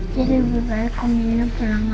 jadi lebih baik aku minum pulang aja